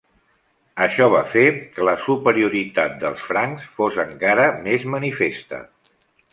Això va fer que la superioritat dels francs fos encara més manifesta.